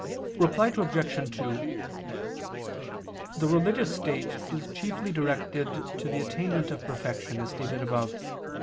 Reply Obj. 2: The religious state is chiefly directed to the atta[in]ment of perfection, as stated above (Q.